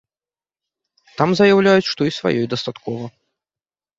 Там заяўляюць, што і сваёй дастаткова.